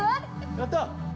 やった！